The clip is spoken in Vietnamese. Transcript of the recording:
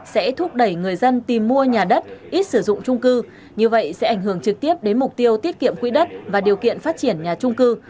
sẽ thúc đẩy người dân tìm mua nhà đất ít sử dụng trung cư như vậy sẽ ảnh hưởng trực tiếp đến mục tiêu tiết kiệm quỹ đất và điều kiện phát triển nhà trung cư